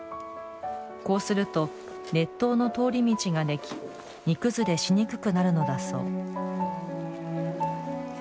こうすると、熱湯の通り道ができ煮崩れしにくくなるのだそう。